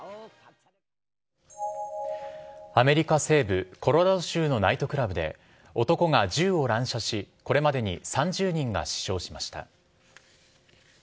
アメリカ西部コロラド州のナイトクラブで、男が銃を乱射し、これまでに３０人が死傷しました。